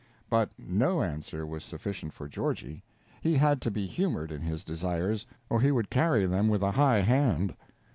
But_ no_ answer was sufficient for Georgie; he had to be humored in his desires, or he would carry them with a high hand.